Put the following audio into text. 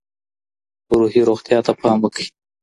روحي روغتیا ته پام وکړئ.